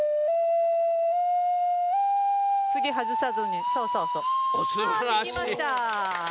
次外さずにそうそうそう。素晴らしい！